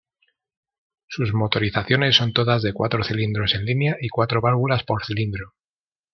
Sus motorizaciones son todas de cuatro cilindros en línea y cuatro válvulas por cilindro.